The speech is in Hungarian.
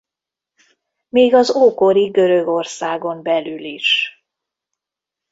Még az ókori Görögországon belül is.